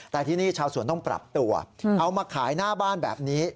แต่ที่นี่ชาวสวนต้องปรับตัวเอามาขายหน้าบ้านแบบนี้